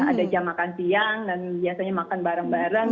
ada jam makan siang dan biasanya makan bareng bareng